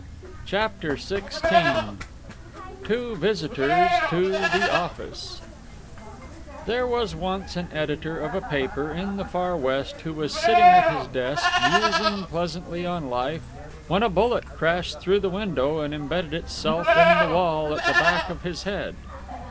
CHAPTER XVI TWO VISITORS TO THE OFFICE There was once an editor of a paper in the Far West who was sitting at his desk, musing pleasantly on life, when a bullet crashed through the window and imbedded itself in the wall at the back of his head.